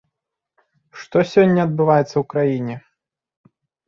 Што сёння адбываецца ў краіне?